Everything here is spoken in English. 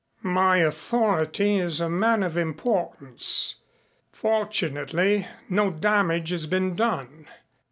"My authority is a man of importance. Fortunately no damage has been done.